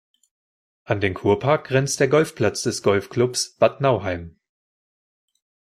An den Kurpark grenzt der Golfplatz des Golfclubs Bad Nauheim.